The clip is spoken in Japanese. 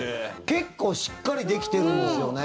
結構しっかりできてるんですよね。